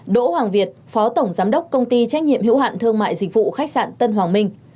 đỗ hoàng việt phó tổng giám đốc công ty trách nhiệm hữu hạn thương mại dịch vụ khách sạn tân hoàng minh